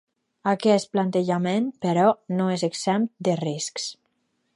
Aquest plantejament, però, no és exempt de riscs.